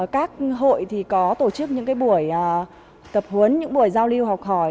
các hội có tổ chức những buổi tập huấn những buổi giao lưu học hỏi